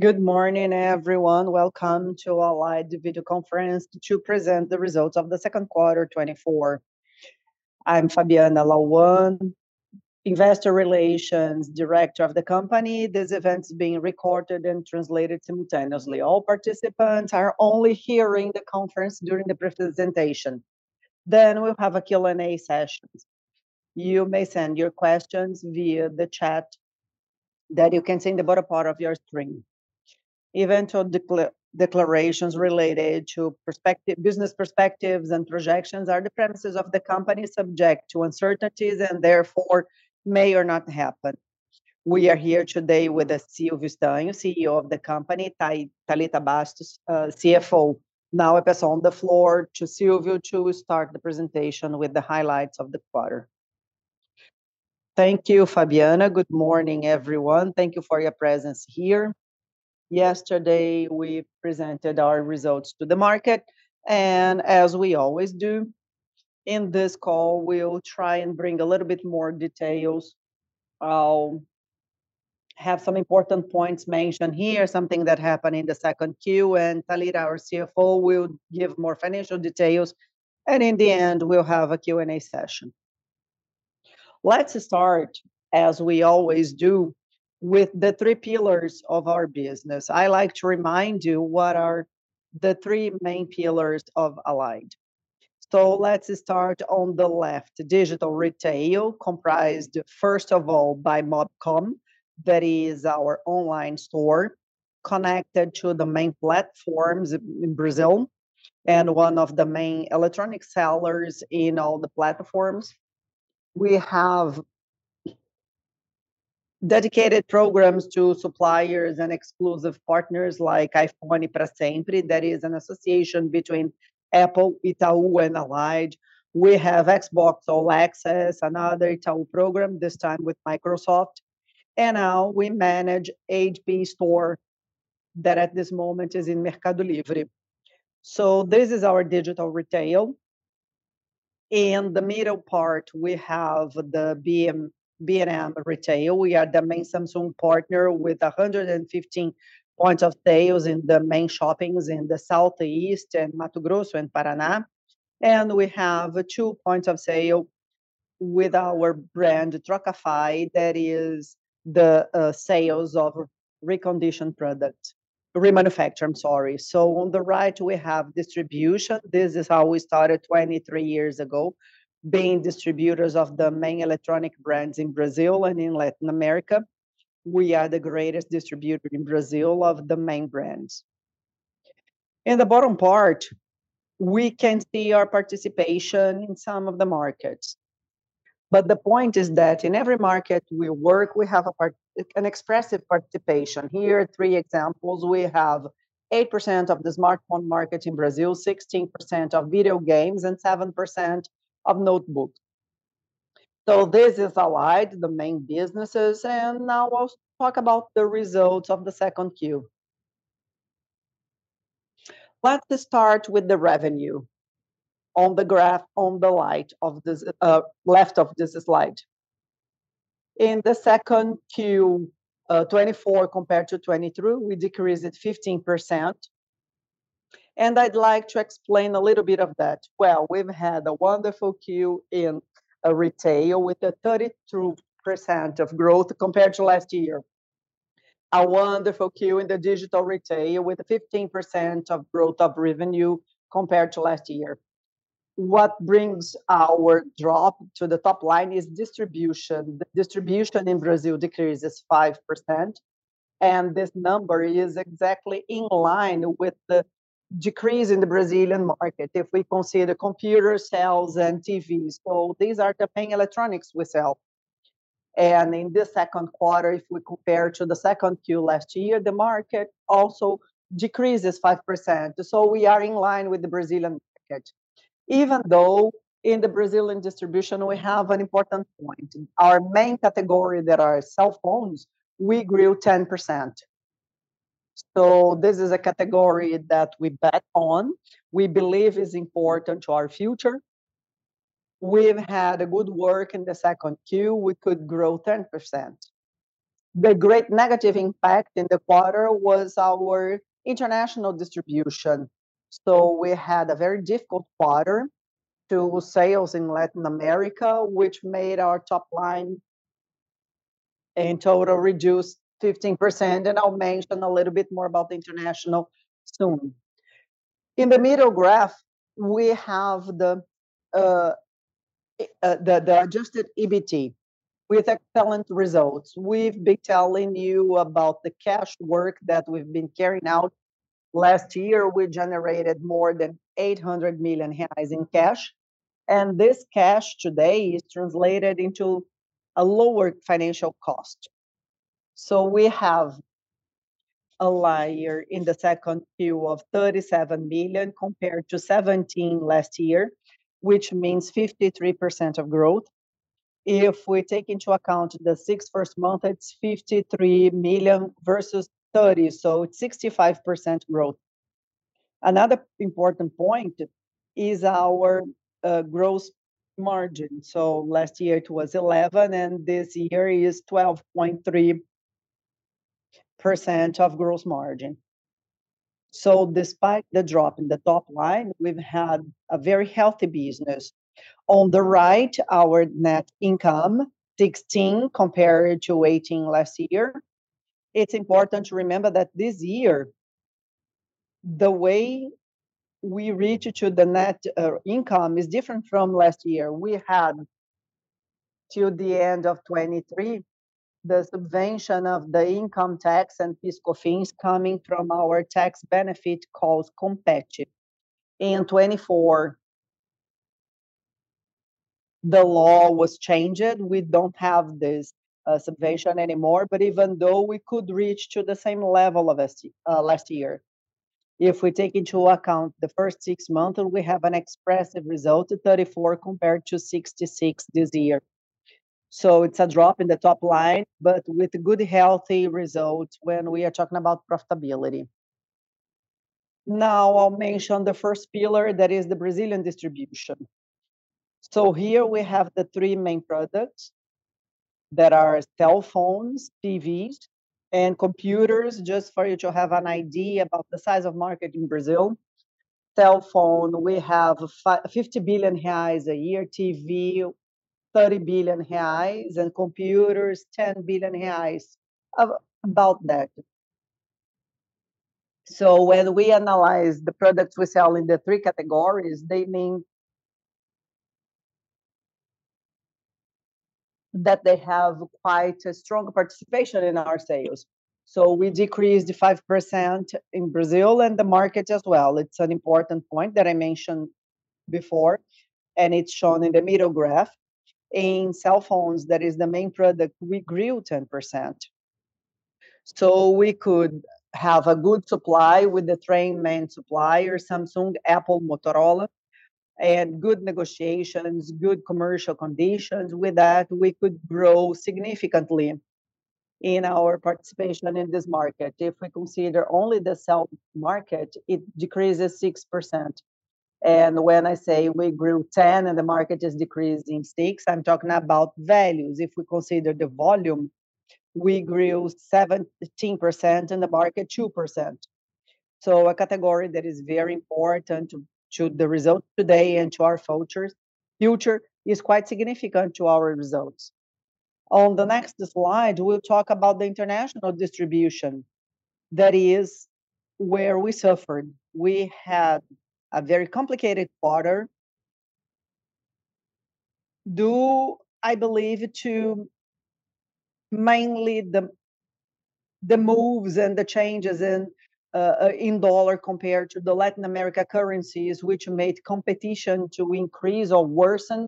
Good morning, everyone. Welcome to Allied's video conference to present the results of the second quarter '24. I'm Fabiana Lawand, investor relations director of the company. This event is being recorded and translated simultaneously. All participants are only hearing the conference during the presentation. Then we'll have a Q&A session. You may send your questions via the chat that you can see in the bottom part of your screen. Event declarations related to business perspectives and projections are the premises of the company subject to uncertainties and therefore may or not happen. We are here today with Silvio Stagni, CEO of the company, Thalita Basso, CFO. I pass on the floor to Silvio to start the presentation with the highlights of the quarter. Thank you, Fabiana. Good morning, everyone. Thank you for your presence here. Yesterday, we presented our results to the market. As we always do, in this call, we'll try and bring a little bit more details. I'll have some important points mentioned here, something that happened in the second Q. Thalita, our CFO, will give more financial details. In the end, we'll have a Q&A session. Let's start, as we always do, with the three pillars of our business. I like to remind you what are the three main pillars of Allied. Let's start on the left, digital retail, comprised first of all by Mobcom, that is our online store connected to the main platforms in Brazil and one of the main electronic sellers in all the platforms. We have dedicated programs to suppliers and exclusive partners like iPhone pra Sempre. That is an association between Apple, Itaú, and Allied. We have Xbox All Access, another Itaú program, this time with Microsoft. Now we manage HP Store that at this moment is in Mercado Livre. This is our digital retail. In the middle part, we have the B&M retail. We are the main Samsung partner with 115 points of sales in the main shoppings in the Southeast and Mato Grosso and Paraná. We have two points of sale with our brand, Trocafy. That is the sales of reconditioned product. Remanufacture, I'm sorry. On the right, we have distribution. This is how we started 23 years ago, being distributors of the main electronic brands in Brazil and in Latin America. We are the greatest distributor in Brazil of the main brands. In the bottom part, we can see our participation in some of the markets. The point is that in every market we work, we have an expressive participation. Here are three examples. We have 8% of the smartphone market in Brazil, 16% of video games, and 7% of notebooks. This is Allied, the main businesses. I'll talk about the results of the second Q. Let us start with the revenue on the graph on the left of this slide. In the second Q '24 compared to '23, we decreased 15%. I'd like to explain a little bit of that. Well, we've had a wonderful Q in retail with a 32% of growth compared to last year. A wonderful Q in the digital retail with a 15% of growth of revenue compared to last year. What brings our drop to the top line is distribution. The distribution in Brazil decreases 5%, this number is exactly in line with the decrease in the Brazilian market. If we consider computer sales and TVs, these are the paying electronics we sell. In this second quarter, if we compare to the second Q last year, the market also decreases 5%. We are in line with the Brazilian market, even though in the Brazilian distribution, we have an important point. In our main category that are cell phones, we grew 10%. This is a category that we bet on, we believe is important to our future. We've had good work in the second Q. We could grow 10%. The great negative impact in the quarter was our international distribution. We had a very difficult quarter to sales in Latin America, which made our top line in total reduce 15%, I'll mention a little bit more about the international soon. In the middle graph, we have the adjusted EBT with excellent results. We've been telling you about the cash work that we've been carrying out. Last year, we generated more than 800 million reais in cash, this cash today is translated into a lower financial cost. We have a liar in the second Q of 37 million compared to 17 million last year, which means 53% growth. If we take into account the six first months, it's 53 million versus 30 million, it's 65% growth. Another important point is our gross margin. Last year it was 11%, this year is 12.3% of gross margin. Despite the drop in the top line, we've had a very healthy business. On the right, our net income, 16% compared to 18% last year. It's important to remember that this year, the way we reach to the net income is different from last year. We had till the end of 2023, the subvention of the income tax and fiscal fees coming from our tax benefit called COMPETE/ES. In 2024, the law was changed. We don't have this subvention anymore. Even though we could reach to the same level of last year. If we take into account the first six months, we have an expressive result of 34% compared to 66% this year. It's a drop in the top line, with good, healthy results when we are talking about profitability. Now, I'll mention the first pillar that is the Brazilian distribution. Here we have the three main products that are cell phones, TVs, and computers. Just for you to have an idea about the size of market in Brazil. Cell phone, we have 50 billion reais a year. TV, 30 billion reais, computers, 10 billion reais. About that. When we analyze the products we sell in the three categories, they mean that they have quite a strong participation in our sales. We decreased 5% in Brazil the market as well. It's an important point that I mentioned before, it's shown in the middle graph. In cell phones, that is the main product, we grew 10%. We could have a good supply with the three main suppliers, Samsung, Apple, Motorola, good negotiations, good commercial conditions. With that, we could grow significantly in our participation in this market. If we consider only the cell market, it decreases 6%. When I say we grew 10% and the market is decreasing 6%, I'm talking about values. If we consider the volume, we grew 17%, and the market 2%. A category that is very important to the result today and to our future is quite significant to our results. On the next slide, we'll talk about the international distribution. That is where we suffered. We had a very complicated quarter. Due, I believe, to mainly the moves and the changes in USD compared to the Latin America currencies, which made competition to increase or worsen.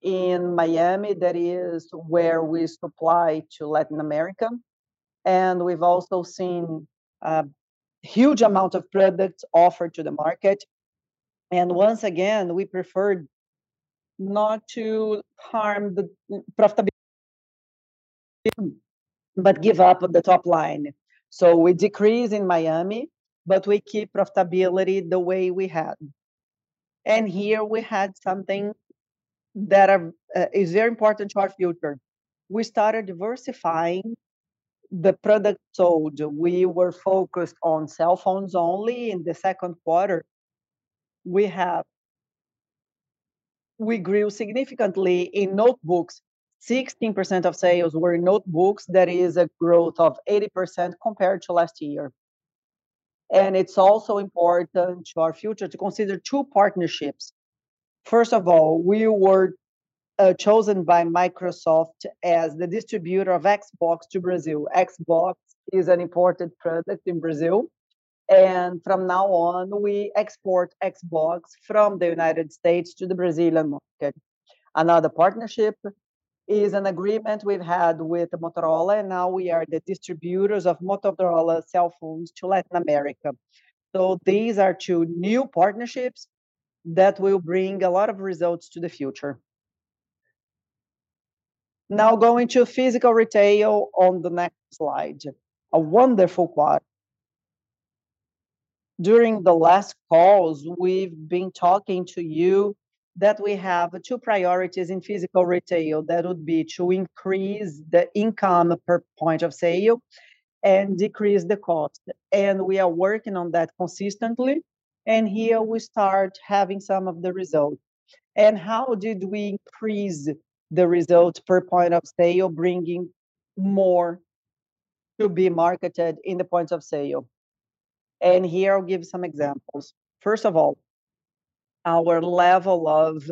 In Miami, that is where we supply to Latin America, and we've also seen a huge amount of products offered to the market. Once again, we preferred not to harm the profitability but give up the top line. We decrease in Miami, but we keep profitability the way we had. Here we had something that is very important to our future. We started diversifying the product sold. We were focused on cell phones only. In the second quarter, we grew significantly in notebooks. 16% of sales were notebooks. That is a growth of 80% compared to last year. It's also important to our future to consider two partnerships. First of all, we were chosen by Microsoft as the distributor of Xbox to Brazil. Xbox is an important product in Brazil, and from now on, we export Xbox from the U.S. to the Brazilian market. Another partnership is an agreement we've had with Motorola, now we are the distributors of Motorola cell phones to Latin America. These are two new partnerships that will bring a lot of results to the future. Now going to physical retail on the next slide. A wonderful quarter. During the last calls, we've been talking to you that we have two priorities in physical retail. That would be to increase the income per point of sale and decrease the cost. We are working on that consistently. Here we start having some of the results. How did we increase the results per point of sale, bringing more to be marketed in the points of sale? Here, I'll give some examples. First of all, our level of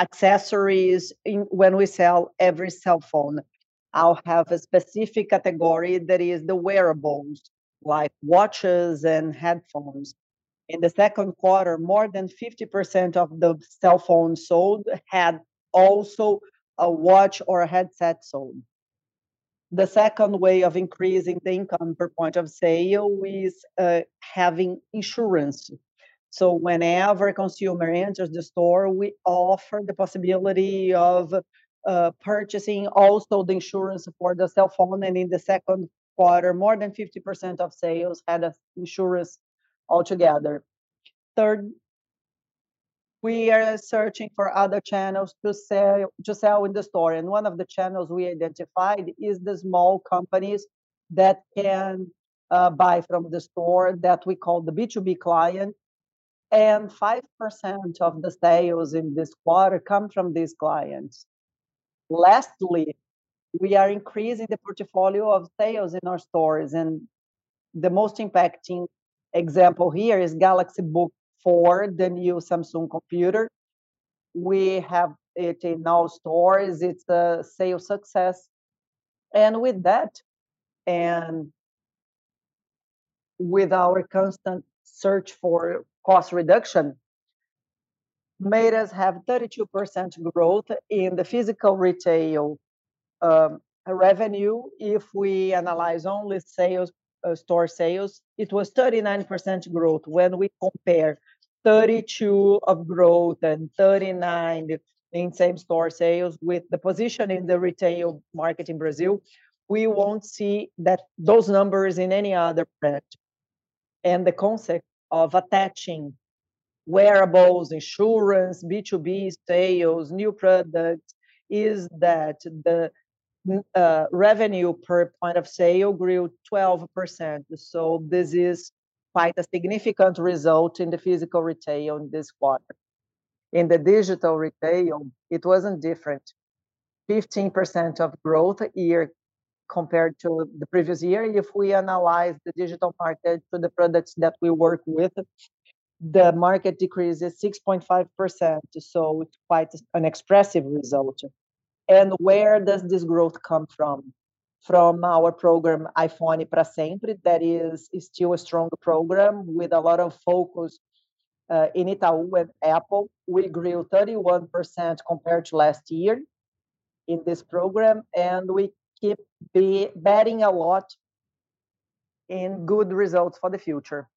accessories when we sell every cell phone. I'll have a specific category that is the wearables, like watches and headphones. In the second quarter, more than 50% of the cell phones sold had also a watch or a headset sold. The second way of increasing the income per point of sale is having insurance. Whenever a consumer enters the store, we offer the possibility of purchasing also the insurance for the cell phone. In the second quarter, more than 50% of sales had insurance altogether. Third, we are searching for other channels to sell in the store. One of the channels we identified is the small companies that can buy from the store that we call the B2B client, and 5% of the sales in this quarter come from these clients. Lastly, we are increasing the portfolio of sales in our stores, and the most impacting example here is Galaxy Book4, the new Samsung computer. We have it in our stores. It's a sales success. With that, and with our constant search for cost reduction, made us have 32% growth in the physical retail revenue. If we analyze only store sales, it was 39% growth. When we compare 32 of growth and 39 in same-store sales with the position in the retail market in Brazil, we won't see those numbers in any other branch. The concept of attaching wearables, insurance, B2B sales, new products, is that the revenue per point of sale grew 12%. So this is quite a significant result in the physical retail in this quarter. In the digital retail, it wasn't different. 15% of growth compared to the previous year. If we analyze the digital market for the products that we work with, the market decrease is 6.5%, so it's quite an expressive result. Where does this growth come from? From our program, iPhone pra Sempre. That is still a strong program with a lot of focus in Itaú with Apple. We grew 31% compared to last year in this program, and we keep betting a lot in good results for the future.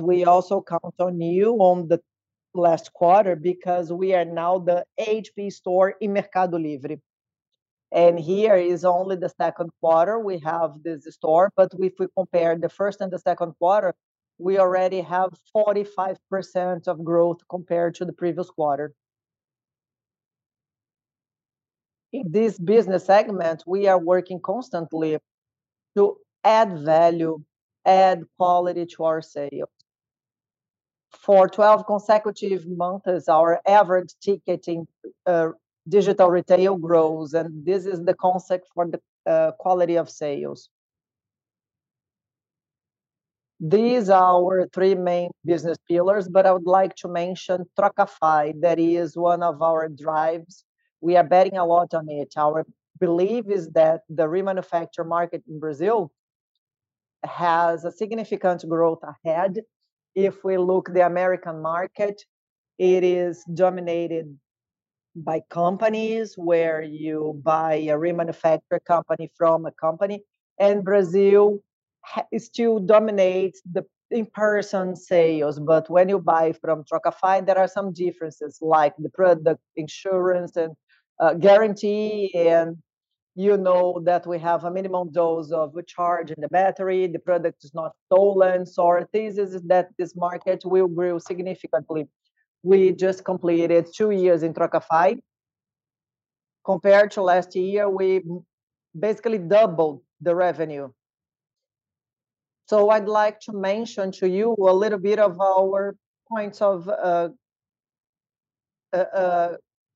We also count on new on the last quarter because we are now the HP Store in Mercado Livre. And here is only the second quarter we have this store, but if we compare the first and the second quarter, we already have 45% of growth compared to the previous quarter. In this business segment, we are working constantly to add value, add quality to our sales. For 12 consecutive months, our average ticketing digital retail grows, and this is the concept for the quality of sales. These are our three main business pillars, but I would like to mention Trocafy. That is one of our drives. We are betting a lot on it. Our belief is that the remanufacture market in Brazil has a significant growth ahead. If we look the American market, it is dominated by companies where you buy a remanufacture company from a company, and Brazil still dominates the in-person sales. When you buy from Trocafy, there are some differences like the product insurance and guarantee, and you know that we have a minimum dose of charge in the battery. The product is not stolen. Our thesis is that this market will grow significantly. We just completed two years in Trocafy. Compared to last year, we basically doubled the revenue. I'd like to mention to you a little bit of our points of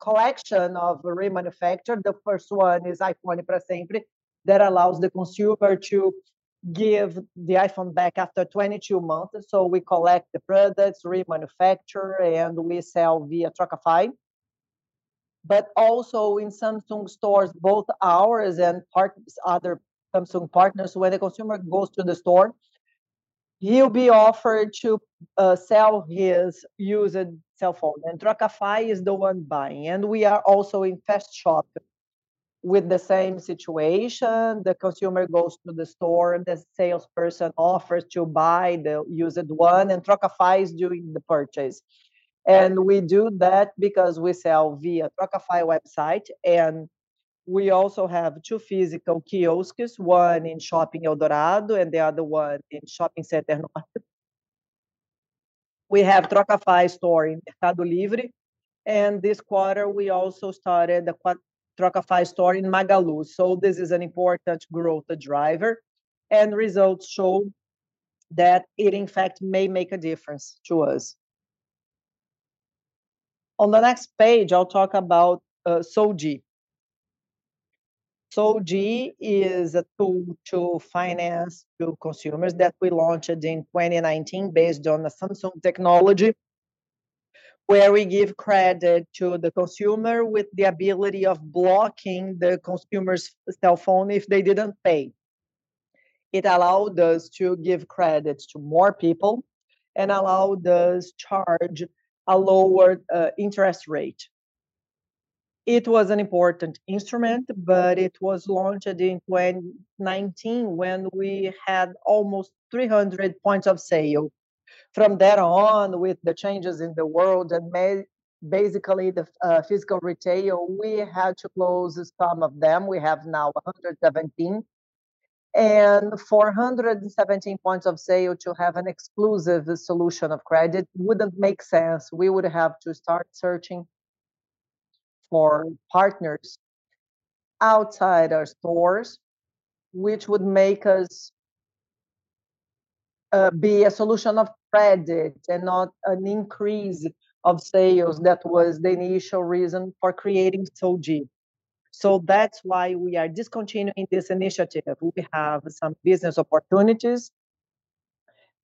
collection of remanufacture. The first one is iPhone pra Sempre. That allows the consumer to give the iPhone back after 22 months. We collect the products, remanufacture, and we sell via Trocafy. Also in Samsung stores, both ours and other Samsung partners, where the consumer goes to the store, he'll be offered to sell his used cellphone, and Trocafy is the one buying. We are also in Fast Shop with the same situation. The consumer goes to the store, the salesperson offers to buy the used one, and Trocafy is doing the purchase. We do that because we sell via Trocafy website, and we also have two physical kiosks, one in Shopping Eldorado and the other one in Shopping Center Norte. We have Trocafy store in Mercado Livre, and this quarter we also started a Trocafy store in Magalu. So this is an important growth driver. Results show that it in fact may make a difference to us. On the next page, I'll talk about Soudi. Soudi is a tool to finance to consumers that we launched in 2019 based on a Samsung technology, where we give credit to the consumer with the ability of blocking the consumer's cellphone if they didn't pay. It allowed us to give credits to more people and allowed us charge a lower interest rate. It was an important instrument, but it was launched in 2019 when we had almost 300 points of sale. From there on, with the changes in the world and basically the physical retail, we had to close some of them. We have now 117 And 417 points of sale to have an exclusive solution of credit wouldn't make sense. We would have to start searching for partners outside our stores, which would make us be a solution of credit and not an increase of sales. That was the initial reason for creating Soudi. That's why we are discontinuing this initiative. We have some business opportunities.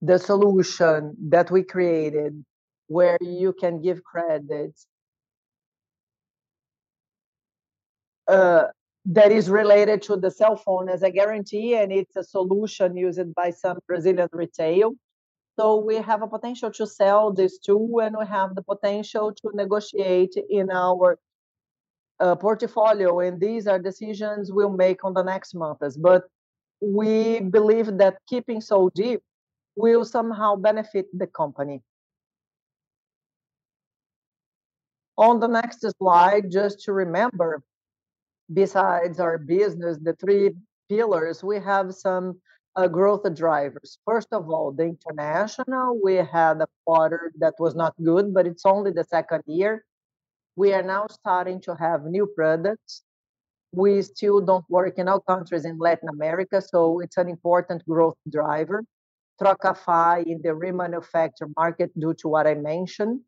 The solution that we created where you can give credit that is related to the cell phone as a guarantee, and it's a solution used by some Brazilian retail. We have a potential to sell this too, and we have the potential to negotiate in our portfolio, and these are decisions we'll make on the next months. We believe that keeping Soudi will somehow benefit the company. On the next slide, just to remember, besides our business, the three pillars, we have some growth drivers. First of all, the international. We had a quarter that was not good, but it's only the second year. We are now starting to have new products. We still don't work in all countries in Latin America, so it's an important growth driver. Trocafy in the remanufacture market due to what I mentioned,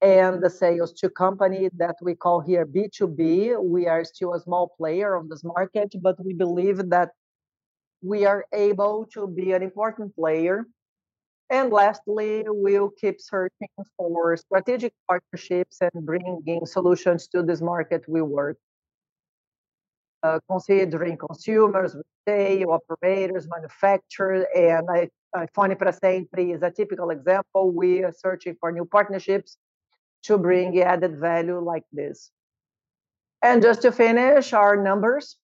and the sales to company that we call here B2B. We are still a small player on this market, but we believe that we are able to be an important player. Lastly, we will keep searching for strategic partnerships and bringing solutions to this market we work. Considering consumers, retail operators, manufacturer, and iPhone pra Sempre is a typical example. We are searching for new partnerships to bring added value like this. Just to finish our numbers.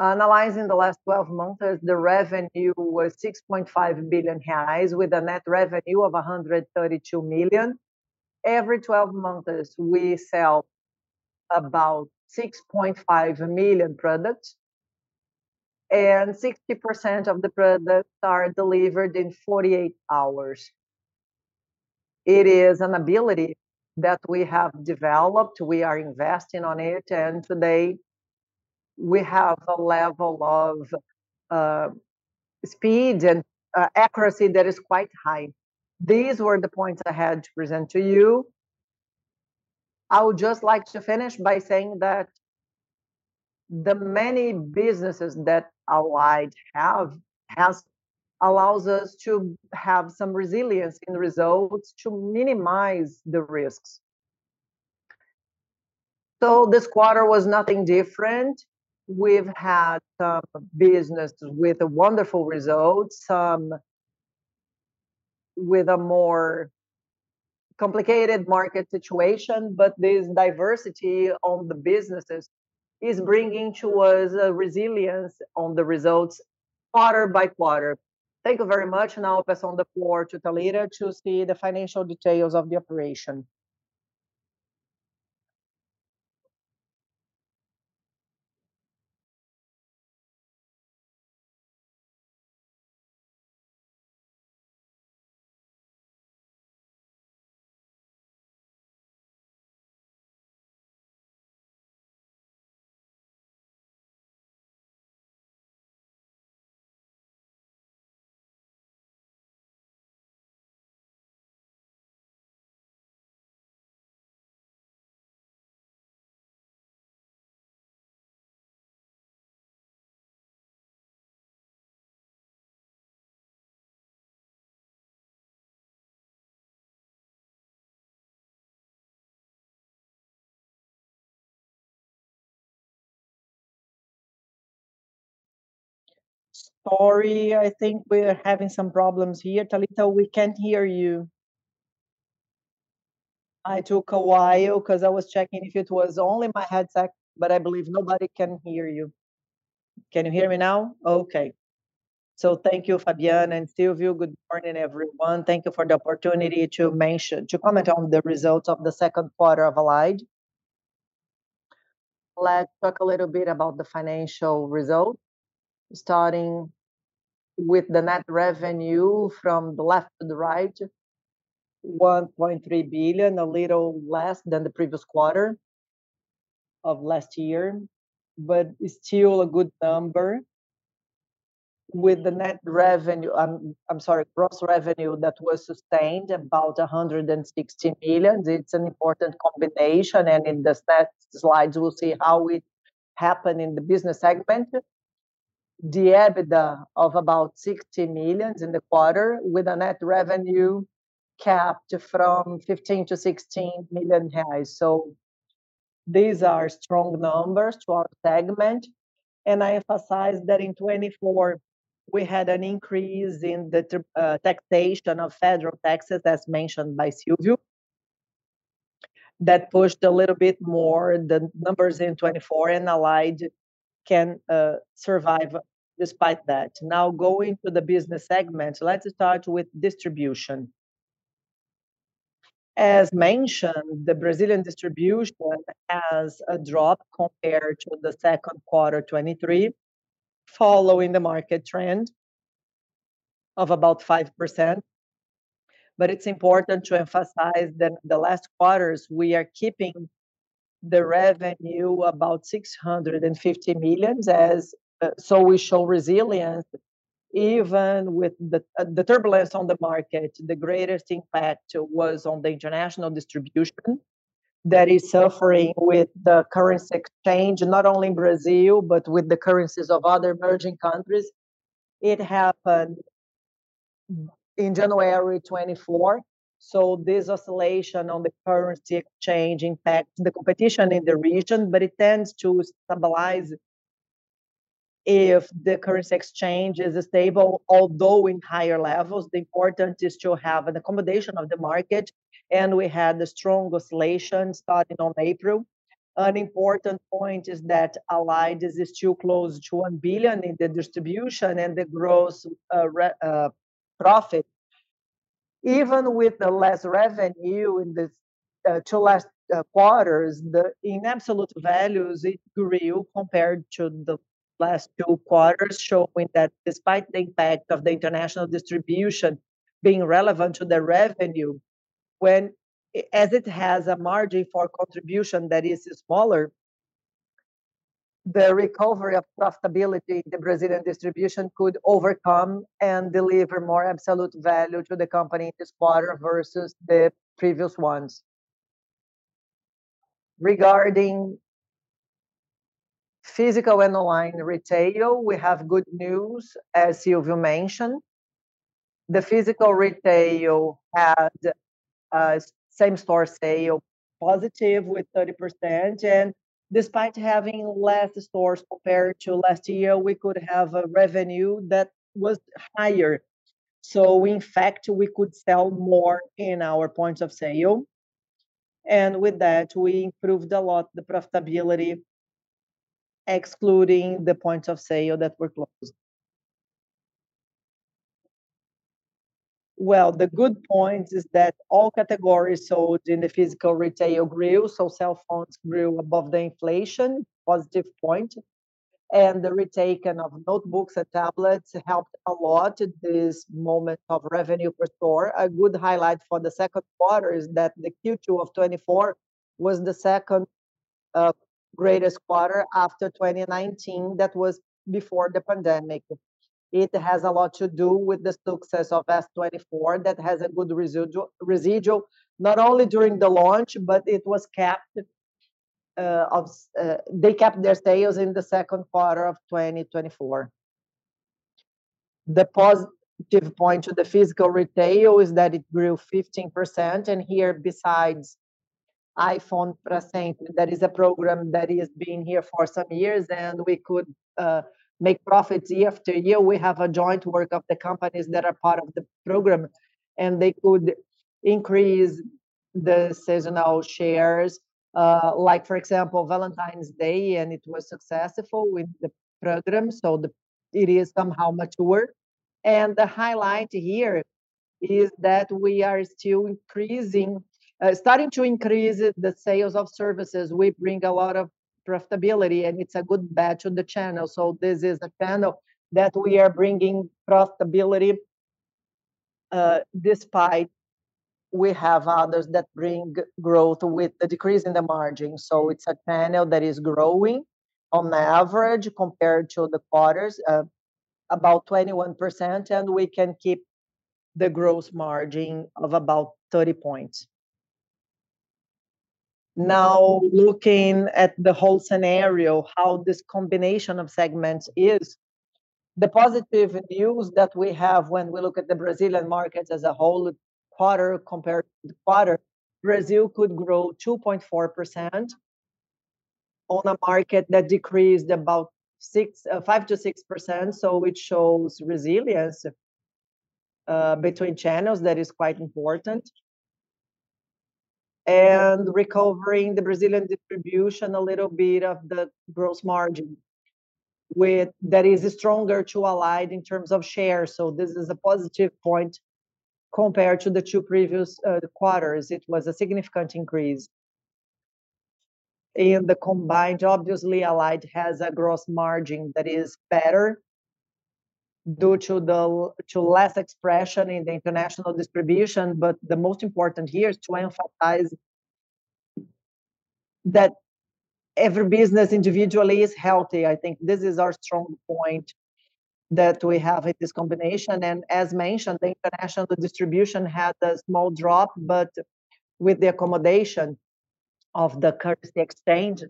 Analyzing the last 12 months, the revenue was 6.5 billion reais with a net revenue of 132 million. Every 12 months, we sell about 6.5 million products, and 60% of the products are delivered in 48 hours. It is an ability that we have developed. We are investing on it, and today we have a level of speed and accuracy that is quite high. These were the points I had to present to you. I would just like to finish by saying that the many businesses that Allied have allows us to have some resilience in results to minimize the risks. This quarter was nothing different. We've had some businesses with wonderful results, some with a more complicated market situation. This diversity on the businesses is bringing to us a resilience on the results quarter by quarter. Thank you very much. Now pass on the floor to Thalita to see the financial details of the operation. Sorry, I think we are having some problems here. Thalita, we can't hear you. I took a while because I was checking if it was only my headset, but I believe nobody can hear you. Can you hear me now? Okay. Thank you, Fabian and Silvio Stagni. Good morning, everyone. Thank you for the opportunity to comment on the results of the second quarter of Allied. Let's talk a little bit about the financial result, starting with the net revenue from the left to the right, 1.3 billion, a little less than the previous quarter of last year, but still a good number. With the net revenue— I'm sorry, gross revenue that was sustained about 160 million. It's an important combination, and in the next slides, we'll see how it happened in the business segment. The EBITDA of about 16 million in the quarter with a net revenue capped from 15 million to 16 million reais. These are strong numbers to our segment, and I emphasize that in 2024, we had an increase in the taxation of federal taxes, as mentioned by Silvio. That pushed a little bit more the numbers in 2024, Allied can survive despite that. Now, going to the business segment. Let's start with distribution. As mentioned, the Brazilian distribution has a drop compared to the second quarter 2023, following the market trend of about 5%. It's important to emphasize that the last quarters, we are keeping the revenue about 650 million. We show resilience even with the turbulence on the market. The greatest impact was on the international distribution that is suffering with the currency exchange, not only in Brazil, but with the currencies of other emerging countries. It happened in January 2024. This oscillation on the currency exchange impacts the competition in the region, but it tends to stabilize if the currency exchange is stable, although in higher levels. The important is to have an accommodation of the market, and we had a strong oscillation starting on April. An important point is that Allied is still close to 1 billion in the distribution and the gross profit. Even with the less revenue in these two last quarters, in absolute values, it grew compared to the last two quarters. Showing that despite the impact of the international distribution being relevant to the revenue, as it has a margin for contribution that is smaller, the recovery of profitability in the Brazilian distribution could overcome and deliver more absolute value to the company this quarter versus the previous ones. Regarding physical and online retail, we have good news, as Silvio mentioned. The physical retail had same-store sales positive with 30%. Despite having less stores compared to last year, we could have a revenue that was higher. In fact, we could sell more in our points of sale. With that, we improved a lot the profitability, excluding the points of sale that were closed. The good point is that all categories sold in the physical retail grew. Cell phones grew above the inflation, positive point. And the retake of notebooks and tablets helped a lot this moment of revenue restore. A good highlight for the second quarter is that the Q2 of 2024 was the second greatest quarter after 2019. That was before the pandemic. It has a lot to do with the success of S24 that has a good residual, not only during the launch, but they kept their sales in the second quarter of 2024. The positive point to the physical retail is that it grew 15%. Here, besides iPhone pra Sempre, that is a program that has been here for some years. We could make profits year after year. We have a joint work of the companies that are part of the program. They could increase the seasonal shares. For example, Valentine's Day. It was successful with the program. It is somehow mature. The highlight here is that we are still starting to increase the sales of services. We bring a lot of profitability, and it's a good bet on the channel. This is a panel that we are bringing profitability, despite we have others that bring growth with a decrease in the margin. It's a panel that is growing on average compared to the quarters of about 21%, and we can keep the gross margin of about 30 points. Looking at the whole scenario, how this combination of segments is. The positive news that we have when we look at the Brazilian markets as a whole quarter compared to quarter, Brazil could grow 2.4% on a market that decreased about 5% to 6%. It shows resilience between channels that is quite important. Recovering the Brazilian distribution, a little bit of the gross margin that is stronger to Allied in terms of shares. This is a positive point compared to the two previous quarters. It was a significant increase. In the combined, obviously, Allied has a gross margin that is better due to less expression in the international distribution. The most important here is to emphasize that every business individually is healthy. I think this is our strong point that we have with this combination. As mentioned, the international distribution had a small drop, but with the accommodation of the currency exchange,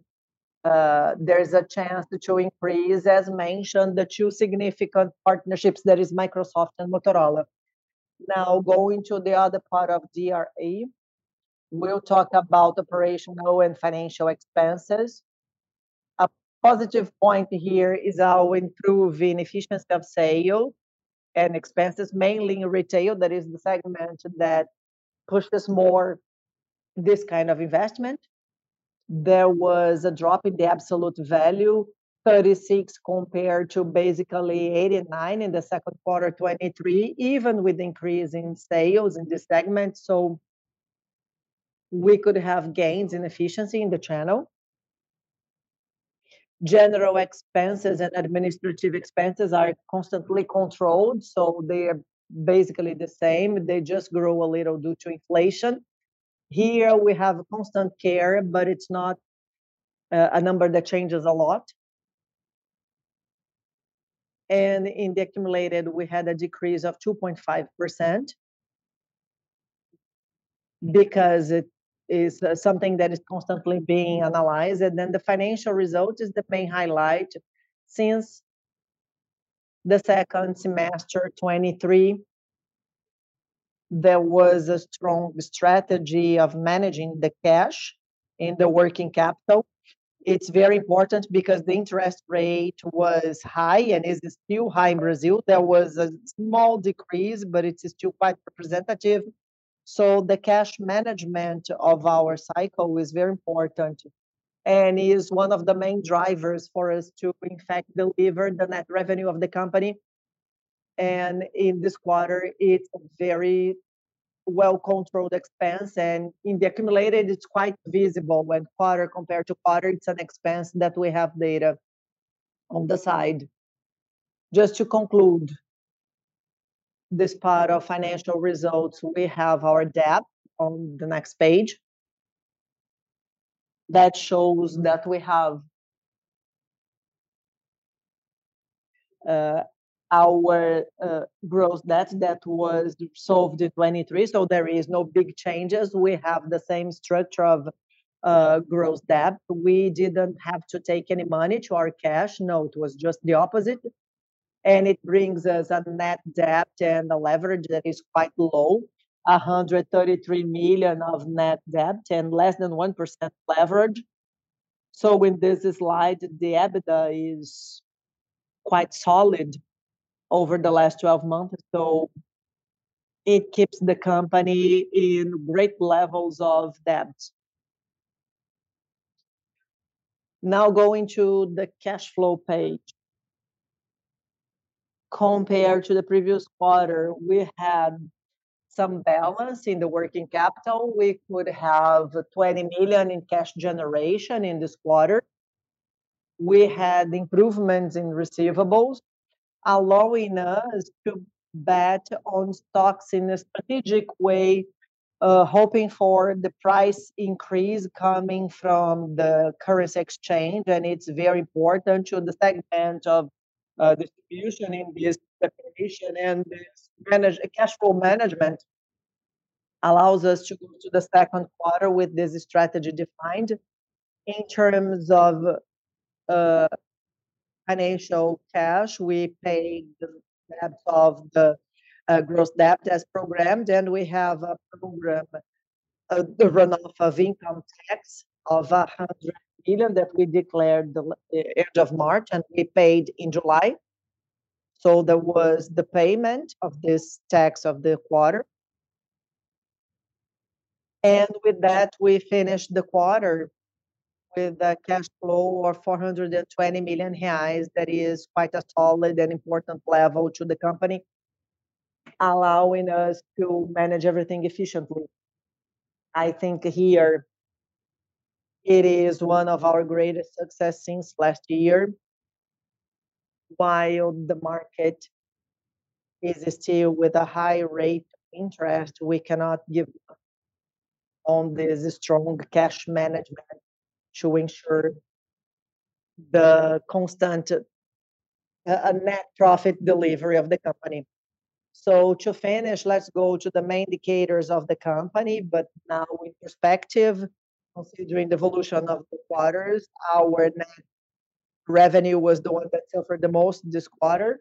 there is a chance to increase, as mentioned, the two significant partnerships that is Microsoft and Motorola. Going to the other part of DRA. We'll talk about operational and financial expenses. A positive point here is our improving efficiency of sale and expenses, mainly in retail. That is the segment that pushed us more this kind of investment. There was a drop in the absolute value, 36 compared to basically 89 in the second quarter 2023, even with increase in sales in this segment. We could have gains in efficiency in the channel. General expenses and administrative expenses are constantly controlled. They're basically the same. They just grow a little due to inflation. Here we have constant care, but it's not a number that changes a lot. In the accumulated, we had a decrease of 2.5% because it is something that is constantly being analyzed. The financial result is the main highlight. Since the second semester 2023, there was a strong strategy of managing the cash in the working capital. It's very important because the interest rate was high and is still high in Brazil. There was a small decrease, but it is still quite representative. The cash management of our cycle is very important and is one of the main drivers for us to in fact deliver the net revenue of the company. In this quarter, it's a very well-controlled expense, and in the accumulated, it's quite visible when quarter compared to quarter, it's an expense that we have data on the side. Just to conclude this part of financial results, we have our debt on the next page. That shows that we have our gross debt that was solved in 2023. There is no big changes. We have the same structure of gross debt. We didn't have to take any money to our cash. No, it was just the opposite. It brings us a net debt and a leverage that is quite low, 133 million of net debt and less than 1% leverage. In this slide, the EBITDA is quite solid over the last 12 months. It keeps the company in great levels of debt. Now going to the cash flow page. Compared to the previous quarter, we had some balance in the working capital. We could have 20 million in cash generation in this quarter. We had improvements in receivables, allowing us to bet on stocks in a strategic way, hoping for the price increase coming from the currency exchange. It's very important to the segment of distribution in this definition. The cash flow management allows us to go to the second quarter with this strategy defined. In terms of financial cash, we paid the debt of the gross debt as programmed. We have a program, a runoff of income tax of 100 million that we declared the end of March, and we paid in July. There was the payment of this tax of the quarter. With that, we finished the quarter with a cash flow of 420 million reais. That is quite a solid and important level to the company, allowing us to manage everything efficiently. I think here it is one of our greatest success since last year. While the market is still with a high rate of interest, we cannot give up on this strong cash management to ensure the constant net profit delivery of the company. To finish, let's go to the main indicators of the company, but now with perspective, considering the evolution of the quarters. Our net revenue was the one that suffered the most this quarter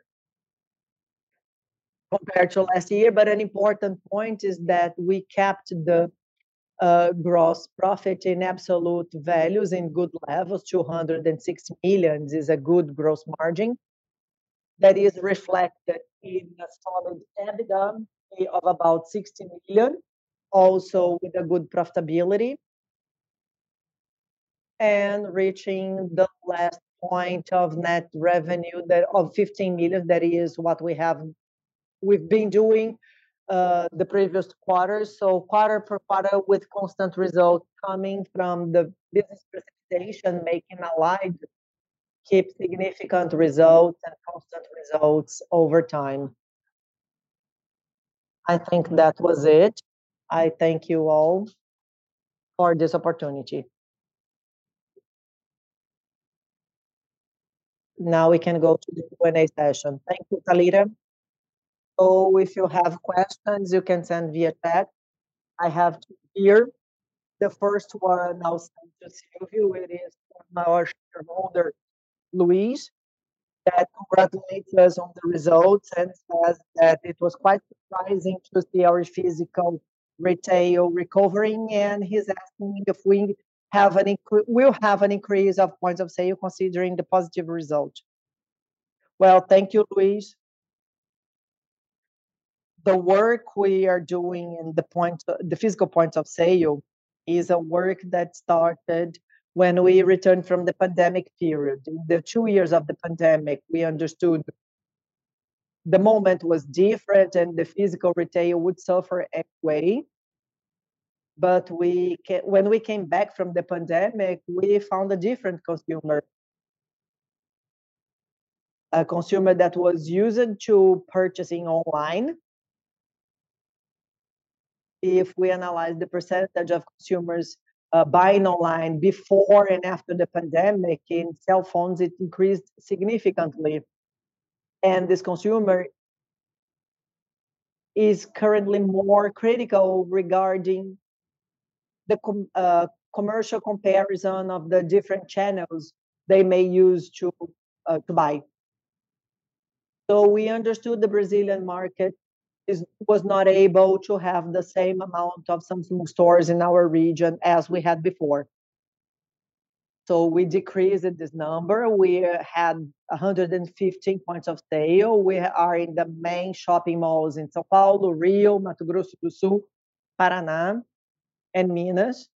compared to last year. An important point is that we kept the gross profit in absolute values in good levels, 206 million is a good gross margin. That is reflected in a solid EBITDA of about 60 million, also with a good profitability. Reaching the last point of net revenue of 15 million, that is what we've been doing the previous quarters. Quarter per quarter with constant results coming from the business presentation, making Allied keep significant results and constant results over time. I think that was it. I thank you all for this opportunity. Now we can go to the Q&A session. Thank you, Thalita. If you have questions, you can send via chat. I have two here. The first one I'll send to Silvio. It is from our shareholder, Luis, that congratulates us on the results and says that it was quite surprising to see our physical retail recovering. He's asking if we'll have an increase of points of sale considering the positive result. Well, thank you, Luis. The work we are doing in the physical points of sale is a work that started when we returned from the pandemic period. The two years of the pandemic, we understood the moment was different, and the physical retail would suffer anyway. When we came back from the pandemic, we found a different consumer. A consumer that was used to purchasing online. If we analyze the percentage of consumers buying online before and after the pandemic, in cell phones, it increased significantly. This consumer is currently more critical regarding the commercial comparison of the different channels they may use to buy. We understood the Brazilian market was not able to have the same amount of Samsung stores in our region as we had before. We decreased this number. We had 115 points of sale. We are in the main shopping malls in São Paulo, Rio, Mato Grosso do Sul, Paraná, and Minas.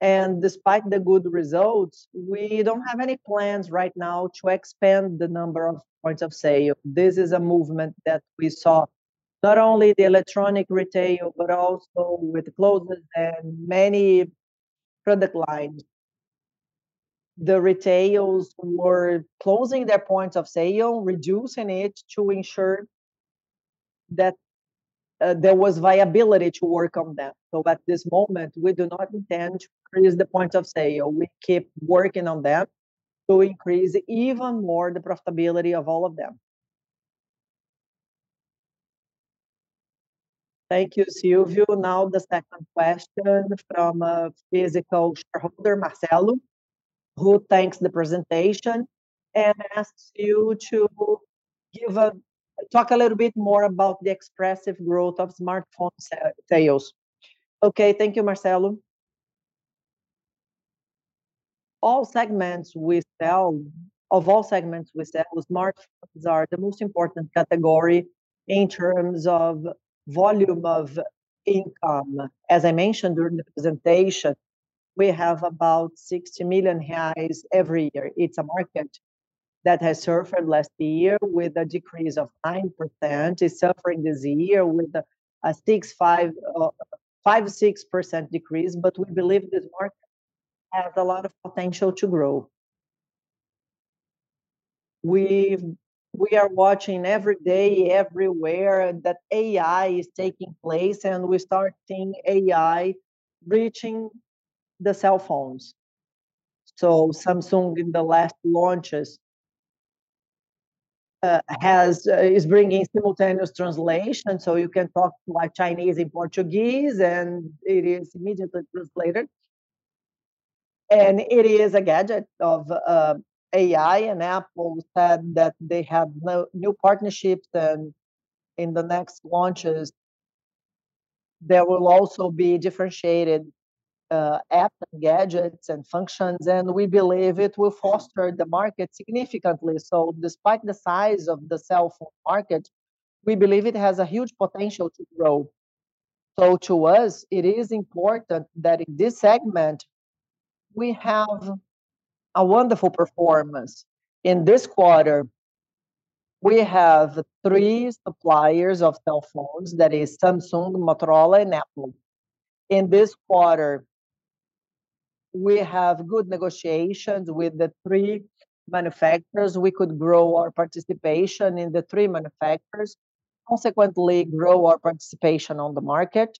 Despite the good results, we don't have any plans right now to expand the number of points of sale. This is a movement that we saw, not only the electronic retail, but also with clothes and many product lines. The retails were closing their points of sale, reducing it to ensure that there was viability to work on them. At this moment, we do not intend to increase the point of sale. We keep working on that to increase even more the profitability of all of them. Thank you, Silvio. Now the second question from a physical shareholder, Marcelo. Who thanks the presentation and asks you to talk a little bit more about the expressive growth of smartphone sales. Okay. Thank you, Marcelo. Of all segments we sell, smartphones are the most important category in terms of volume of income. As I mentioned during the presentation, we have about 60 million reais every year. It's a market that has suffered last year with a decrease of 9%, is suffering this year with a 5%-6% decrease, but we believe this market has a lot of potential to grow. We are watching every day everywhere that AI is taking place, and we're starting AI reaching the cell phones. Samsung in the last launches is bringing simultaneous translation, so you can talk like Chinese in Portuguese, and it is immediately translated. It is a gadget of AI, and Apple said that they have new partnerships and in the next launches, there will also be differentiated app gadgets and functions, and we believe it will foster the market significantly. Despite the size of the cell phone market, we believe it has a huge potential to grow. To us, it is important that in this segment, we have a wonderful performance. In this quarter, we have three suppliers of cell phones, that is Samsung, Motorola, and Apple. In this quarter, we have good negotiations with the three manufacturers. We could grow our participation in the three manufacturers, consequently grow our participation on the market.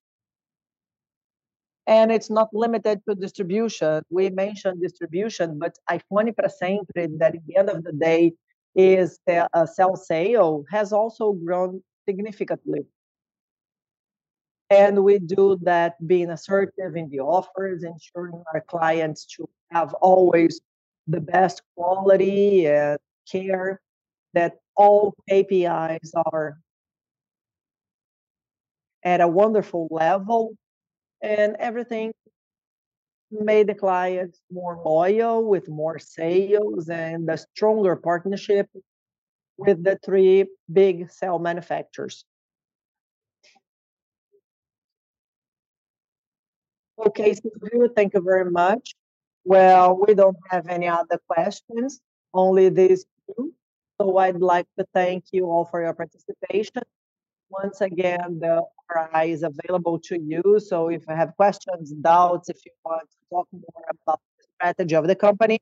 It's not limited to distribution. We mentioned distribution, but I want to say that at the end of the day is a cell sale has also grown significantly. We do that being assertive in the offers, ensuring our clients to have always the best quality care, that all APIs are at a wonderful level. Everything made the clients more loyal with more sales and a stronger partnership with the three big cell manufacturers. Okay, Silvio. Thank you very much. Well, we don't have any other questions, only these two. I'd like to thank you all for your participation. Once again, the IR is available to you, so if you have questions, doubts, if you want to talk more about the strategy of the company,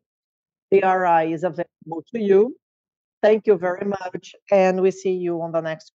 IR is available to you. Thank you very much, and we'll see you on the next call.